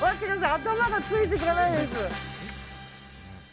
頭がついていかないです。